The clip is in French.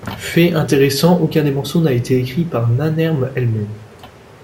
Fait intéressant, aucun des morceaux n'a été écrits par Nannerl elle-même.